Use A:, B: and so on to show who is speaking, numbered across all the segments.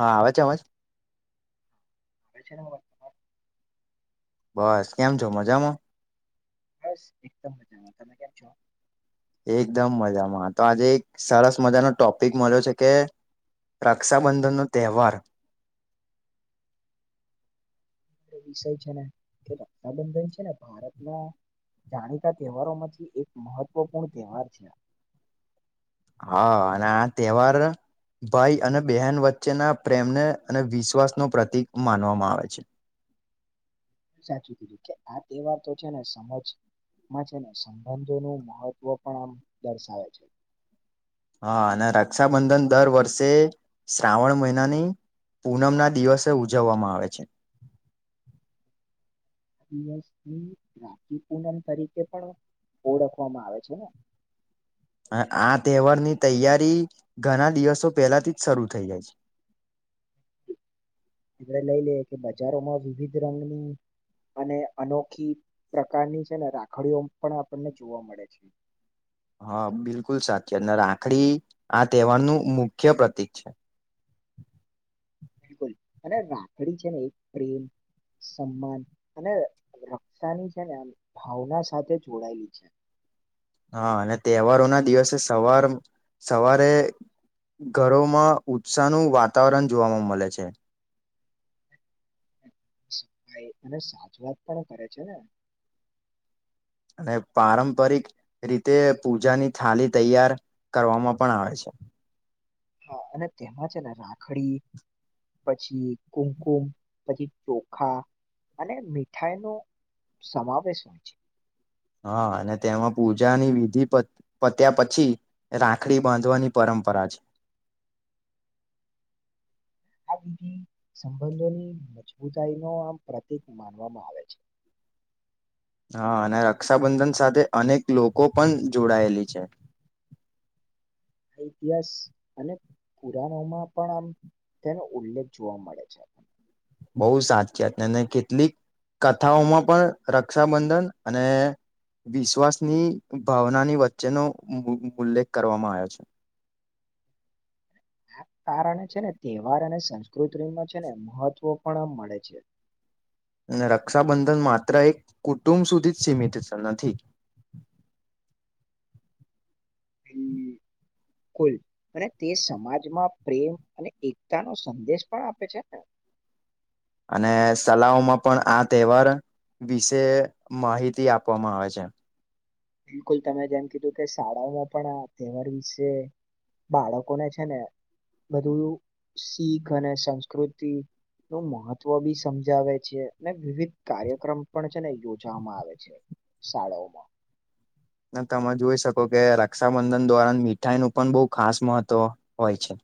A: હા આવેછે અવાજ.
B: [unintelligible]
A: બસ કેમ છો મઝામો.
B: બસ એકદમ મજામાં તમે કેમ છો.
A: એકદમ મજામાં તો આજે એક સરસ મજાનો ટોપિક મળ્યો છે કે રક્ષાબંધનનો તહેવાર
B: આપણો વિષય છે ને કે રક્ષાબંધન છે ને ભારતમાં જાણીતા તહેવારો માંથી એક મહત્વપૂર્ણ તહેવાર છે.
A: હા અને આ તહેવાર ભાઈ અને બહેન વચ્ચેના પ્રેમને અને વિશ્વાસ નો પ્રતીક માનવામાં આવે છે.
B: સાચું કીધું કે આ તેવાર તો છે ને સમજ માં છે ને સંબંધોનું મહત્વ પણ આમ દર્શાવે છે.
A: હા અને રક્ષાબંધન દર વર્ષે શ્રાવણ મહિનાની પૂનમના દિવસે ઉજવવામાં આવે છે.
B: દિવસ ભી રાતી પૂનમ તરીકે પણ ઓળખવામાં આવે છે ને
A: આ-આ તહેવાર ની તૈયારી ઘણા દિવસો પહેલા થીજ શરૂ થઈ જાય છે. [unintelligible]
B: આપણે લઈ લઈએ કે બજારોમાં વિવિધ રંગની અને અનોખી પ્રકારની છેને રાખડીઓમ પણ આપણને જોવા મળે છે.
A: [inaudible] હઅ બિલકુલ સાચે ને રાખડી આ તહેવારનું મુખ્ય પ્રતિક છે. [inaudible]
B: બિલકુલ અને રાખડી છે ને એક પ્રેમ સમ્માન અને રક્ષાની છે ને આમ ભાવના સાથે જોડાયેલી છે.
A: હા અને તહેવારોના દિવસે સવાર સવારે ઘરોમાં ઉત્સાહનું વાતાવરણ જોવામાં મલે છે. [inaudible]
B: ખાઈ અને સાચવાત પણ કરે છેને.
A: અને પારંપરિક રીતે પૂજાની થાલી તૈયાર કરવામાં પણ આવે છે. [inaudible]
B: હા અને તેમાં છેને રાખડી પછી કુમકુમ પછી ચોખા અને મીઠાઈનો સમાવેશ હોય છે.
A: હા અને તેમાં પૂજાની વિધિ પત પત્યા પછી રાખડી બાંધવાની પરા પરંપરા છે.
B: આ બીધી સંબંધોની મજબૂતાયનો આમ પ્રતીક માનવામાં આવે છે.
A: [inaudible] હા અને રક્ષાબંધન સાથે અનેક લોકો પણ જોડાયેલી છે.
B: ઇતિહાસ અને કુરાણો માં પણ આમ તેનો ઉલ્લેખ જોવા મળે છે.
A: બહુ સાતચાતને ને કેટલીક કથાઓમાં પણ રક્ષાબંધન અને વિશ્વાસની ભાવનાની વચ્ચેનો ઉલ્લેખ કરવામાં આવ્યો છે [unintelligible]
B: આ કારણે છે ને તહેવાર અને સંસ્કૃતિમાં છે ને મહત્વ પણ આ મળે છે.
A: [unintelligible] અને રક્ષાબંધન માત્ર એક કુટુંબ સુધી જ સીમિત નથી. [unintelligible]
B: હમ.
A: [unintelligible]
B: કુલ અને તે સમાજમાં પ્રેમ અને એકતા નો સંદેશ પણ આપે છે ને.
A: અને સલાઓમાં પણ આ તહેવાર વિશે માહિતી આપવામાં આવે છે.
B: બિલકુલ તમે જેમ કીધું કે શાળાઓમાં પણ આ તહેવાર વિશે બાળકોને છે ને બધું શીખ અને સંસ્કૃતિ નું મહત્વ બી સમજાવે છે અને વિવિધ કાર્યક્રમ પણ છે ને યોજવામાં આવે છે શાળાઓમાં
A: તમે જોઈ શકો કે રક્ષાબંધન દ્વારા મીઠાઈ નું પણ બહુ ખાસ મહત્વ હોય છે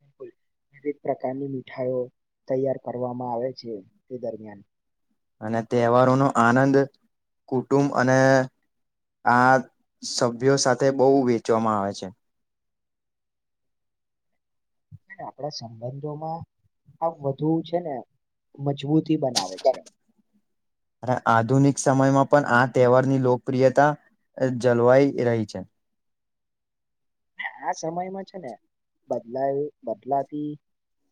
B: બિલકુલ, વિવિધ પ્રકારની મીઠાઈઓ તૈયાર કરવામાં આવે છે તે દરમિયાન
A: અને તહેવારો નો આનંદ કુટુંબ અને આ સભ્યો સાથે બહુ વેચવામાં આવે છે
B: આપણા સંબંધોમાં આ વધુ છે ને મજબૂત તી બનાવે છે
A: આધુનિક સમયમાં પણ આ તહેવારની લોકપ્રિયતા જલવાઈ રહી છે
B: આ સમયમાં છે ને બદલાય બદલાતી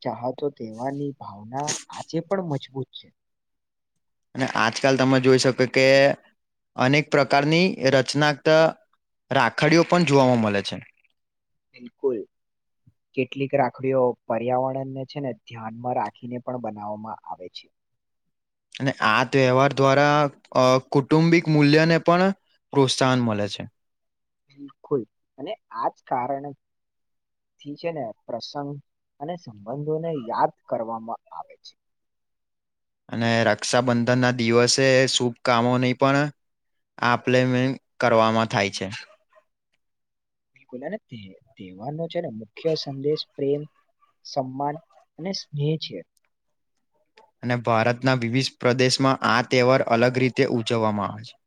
B: ચાહતો તેવાની ભાવના આજે પણ મજબૂત છે
A: અને આજકાલ તમે જોઈ શકો કે અનેક પ્રકારની રચના રાખડીઓ પણ જોવામાં મળે છે
B: બિલકુલ કેટલીક રાખડીઓ પર્યાવરણને છે ને ધ્યાનમાં રાખીને પણ બનાવવામાં આવે છે
A: અને આ તહેવાર દ્વારા અ કુટુંબિક મૂલ્યને પણ પ્રોત્સાહન મળે છે
B: બિલકુલ અને આજ કારણે થી છે ને પ્રસંગ અને સંબંધોને યાદ કરવામાં આવે છે
A: અને રક્ષાબંધન ના દિવસે શુભ કામો નહી પણ આ પ્લેમેન્ટ કરવામાં થાય છે
B: બિલકુલ અને તહેવારનો છે ને મુખ્ય સંદેશ પ્રેમ સમાન અને સ્નેહ છે
A: અને ભારતના વિવિધ પ્રદેશમાં આ તહેવાર અલગ રીતે ઉજવવામાં આવે છે [unintelligible]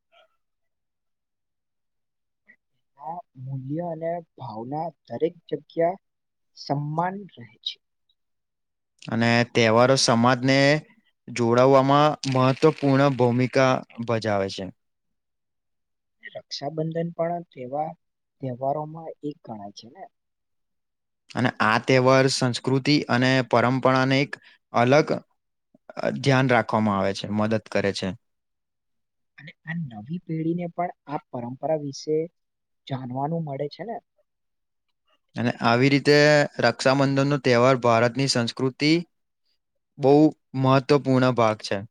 B: આ મૂલ્ય અને ભાવના દરેક જગ્યા સમ્માન રહે છે
A: અને તહેવારો સમાજને જોડાવવામાં મહત્વપૂર્ણ ભૂમિકા ભજાવે છે
B: રક્ષાબંધન પણ તેવા તહેવારોમાં એક ગણાય છે ને
A: અને આ તહેવાર સંસ્કૃતિ અને પરંપરાને એક અલગ ધ્યાન રાખવામાં આવે છે મદદ કરે છે
B: અને આ નવી પેઢીને પણ આ પરંપરા વિશે જાણવાનું મળે છે ને
A: અને આવી રીતે રક્ષાબંધન નો તહેવાર ભારતની સંસ્કૃતિ બહુ મહત્વપૂર્ણ ભાગ છે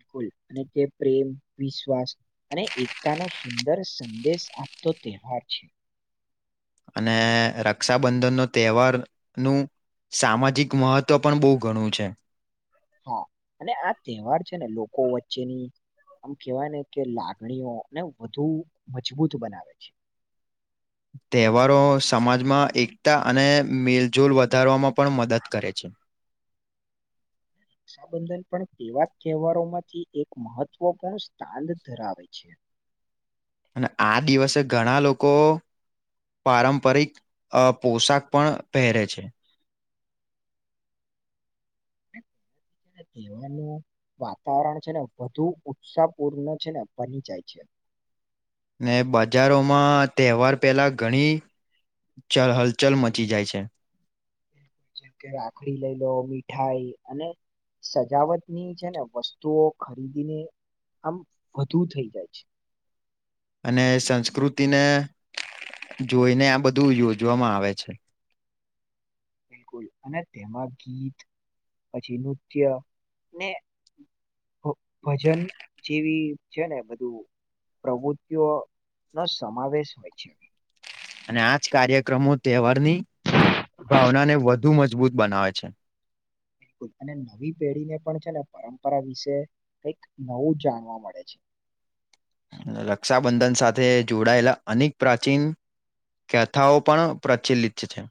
B: લકુલ અને કે પ્રેમ વિશ્વાસ અને એકતા નો સુંદર સંદેશ આપતો તહેવાર છે
A: અને રક્ષાબંધનનો તહેવારનું સામાજિક મહત્વ પણ બહુ ઘણું છે
B: હા અને આ તહેવાર છે ને લોકો વચ્ચેની આમ કેહેવાય ને કે લાગણીઓને વધુ મજબૂત બનાવે છે
A: તહેવારો સમાજમાં એકતા અને મેલજોલ વધારવામાં પણ મદદ કરે છે [inaudible]
B: રક્ષાબંધન પણ તેવા તહેવારો માંથી એક મહત્વપૂર્ણ સ્થાન ધરાવે છે
A: અને આ દિવસે ઘણા લોકો પારંપરિક પોશાક પણ પહેરે છે.
B: જીવાનું વાતાવરણ છે ને વધુ ઉત્સાહ પૂર્ણ છે ને બની જાય છે.
A: ને બજારોમાં તહેવાર પહેલા ઘણી ચળ હલચલ મચી જાય છે.
B: જેમ કે રાખડી લઈ લો મીઠાઈ અને સજાવટ ની છે ને વસ્તુઓ ખરીદીને આમ વધુ થઇ જાય છે.
A: અને સંસ્કૃતિને જોઈને આ બધું યોજવામાં આવે છે.
B: બિલકુલ અને તેમાં ગીત પછી નૃત્ય ને ભજન જેવી છે ને બધું પ્રવૃત્તિઓ નો સમાવેશ હોય છે.
A: અને આજ કાર્યક્રમો તહેવાર ની ભાવના ને વધુ મજ મજબૂત બનાવે છે.
B: બિલકુલ અને નવી પેઢીને પણ છે ને પરંપરા વિશે કઈક નવું જાણવા મળે છે.
A: રક્ષાબંધન સાથે જોડાયેલા અનેક પ્રાચીન કથાઓ પણ પ્રચલિત છે.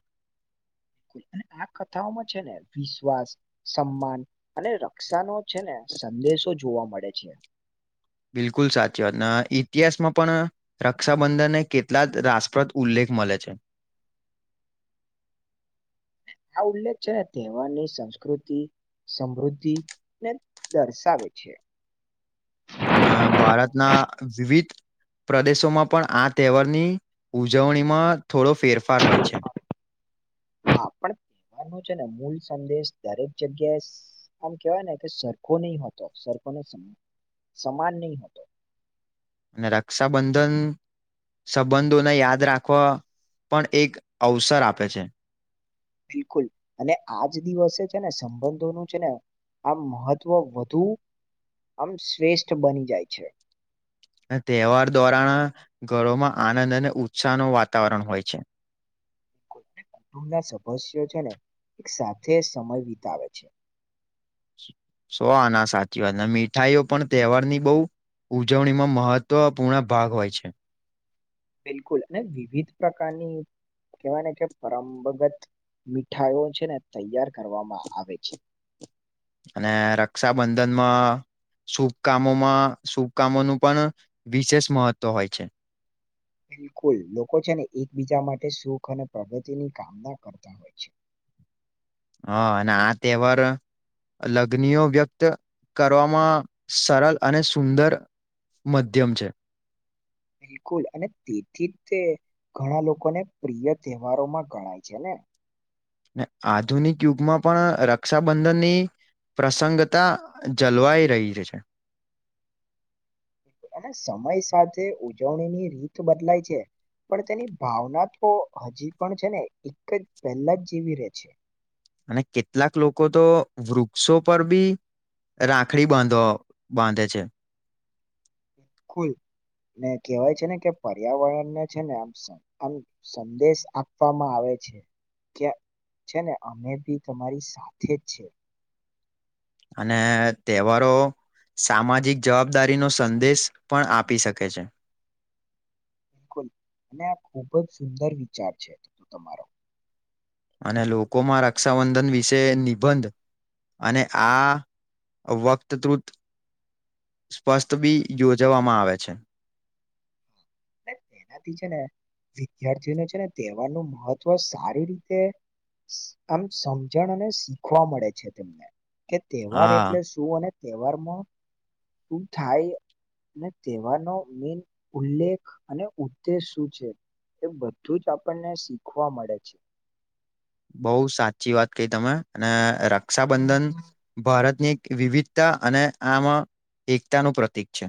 B: [unintelligible] આ કથાઓમાં છે ને વિશ્વાસ, સમ્માન અને રક્ષાનો છે ને સંદેશો જોવા મળે છે.
A: બિલકુલ સાચી વાત ઇતિહાસમાં પણ રક્ષાબંધનને કેટલા જ રાસપ્રદ ઉલ્લેખ મળે છે.
B: આ ઉલ્લેખ છે, તહેવારની સંસ્કૃતિ સમૃદ્ધિ ને દર્શાવે છે.
A: અ ભારતના વિવિધ પ્રદેશોમાં પણ આ તહેવારની ઉજવણીમાં થોડો ફેરફાર હોય છે.
B: હા પણ તહેવાર ન છે ને મૂલ સંદેશ દરેક જગ્યાએ આમ કેહેવાય ને કે સરખો નહીતો સરખો ને સમાન નહી હોતો.
A: અને રક્ષાબંધન સંબંધોને યાદ રાખવા પણ એક અવસર આપે છે.
B: બિલકુલ અને આજ દિવસે છે ને સંબંધોનું છે ને આ મહત્વ વધુ આમ શ્રેષ્ઠ બની જાય છે.
A: તહેવાર દ્વારા ઘરોમાં આનંદ અને ઉત્સાહ નો વાતાવરણ હોય છે. [inaudible]
B: કટુંબ ના સદસ્યો છેને એક સાથે સમય વિતાવે છે.
A: સોના સાચી વાત અને મીઠાઈઓ પણ તહેવાર ની બહુ ઉજવણીમાં મહત્વપૂર્ણ ભાગ હોય છે.
B: બિલકુલ અને વિવિધ પ્રકારની કેવા કે પરમપગત મીઠાઈઓ છે ને તૈયાર કરવામાં આવે છે.
A: અને રક્ષાબંધનમાં શુભ કામોમાં શુભ કામોનું પણ વિશેષ મહત્વ હોય છે.
B: બિલકુલ લોકો છે ને એકબીજા માટે સુખ અને પ્રગતિની કામના કરતા હોય છે.
A: હ અને આ તહેવાર લગણીઓ વ્યક્ત કરવામાં સરળ અને સુંદર મધ્યમ છે.
B: બિલકુલ. અને તેથી તે ઘણા લોકોને પ્રિય તહેવારોમાં ગણાય છે ને.
A: ને આધુનિક યુગમાં પણ રક્ષાબંધનની પ્રસંગતા જલવાઈ રહી લી છે.
B: અને સમય સાથે ઉજવણી ની રીત બદલાય છે. પણ તેની ભાવના તો હજી પણ છે ને એક જ પહેલા જ જવી રે છે.
A: અને કેટલાક લોકો તો વૃક્ષો પર બી રાખડી બાંધો બાંધે છે.
B: કુલ ને કહેવાય છે ને કે પર્યાવરણને છે ને આમ આમ સંદેશ આપવામાં આવે ક્યાં છે ને અમે બી તમારી સાથે જ છે.
A: અને તહેવારો સામાજિક જવાબદારીનો સંદેશ પણ આપી શકે છે.
B: બિલકુલ. અને આ ખૂબ જ સુંદર વિચાર છે. તમારો!
A: અને લોકોમાં રક્ષાબંધન વિશે નિબંધ અને આ વક્તતૃત સ્પષ્ટબી યોજવામાં આવે છે. [inaudible]
B: તેથી છે ને વિદ્યાર્થીઓને છે ને તહેવાર નું મહત્વ સારી રીતે આમ સમજણ અને શીખવા મળે છે તેમને કે તહેવાર
A: હા
B: એટલે શું! અને તહેવારમાં શું થાય અને તહેવારનો મેન ઉલ્લેખ અને ઉદ્દેશ શું છે. એ બધું જ આપણને શીખવા મળે છે.
A: બહુ સાચી વાત કહી તમે. અને રક્ષાબંધન ભારતની એક વિવિધતા અને આમ એકતાનું પ્રતીક છે.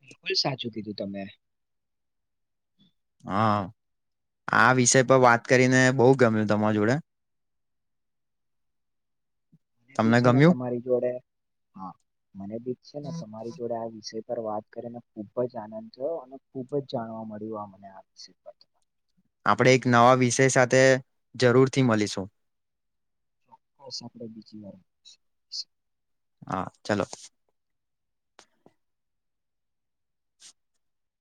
B: બિલકુલ સાચું કીધું તમે.
A: હા. આ વિષય પર વાત કરીને બોઉ ગમ્યું તમારા જોડે. [inaudible]
B: મને બી છે ને
A: ગમ્યું
B: તમારી જોડે હા મને બી છે ને તમારી જોડે આ વિષય વાત કરીને ખુબ જ આનંદ થયો. અને ખુબ જ જાણવા મળ્યું આ મને આ
A: આપણે એક નવા વિષય સાથે જરૂરથી મલીશું.
B: આપડે બીજી વાર
A: હા ચાલો.